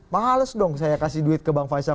mahal dong saya kasih duit ke bank faisal